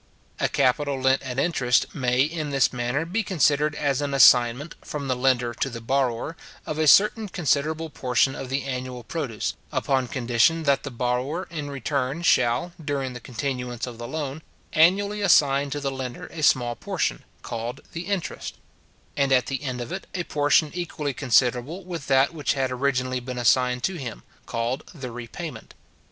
A capital lent at interest may, in this manner, be considered as an assignment, from the lender to the borrower, of a certain considerable portion of the annual produce, upon condition that the burrower in return shall, during the continuance of the loan, annually assign to the lender a small portion, called the interest; and, at the end of it, a portion equally considerable with that which had originally been assigned to him, called the repayment.